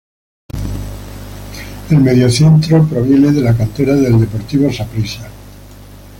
El mediocentro proviene de la cantera del Deportivo Saprissa.